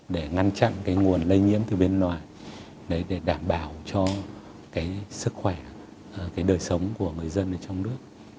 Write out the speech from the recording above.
để ngăn chặn cái nguồn lây nhiễm từ bên ngoài để đảm bảo cho cái sức khỏe cái đời sống của người dân ở trong nước